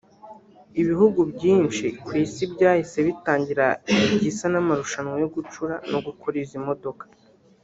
ibihugu byinshi ku isi byahise bitangira igisa n’amarushanwa yo gucura no gukora izi modoka